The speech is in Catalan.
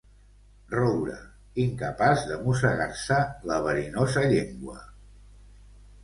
Roure, incapaç de mossegar-se la verinosa llengua.